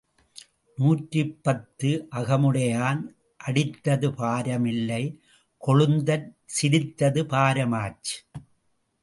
நூற்றி பத்து அகமுடையான் அடித்தது பாரம் இல்லை கொழுந்தன் சிரித்தது பாரம் ஆச்சு.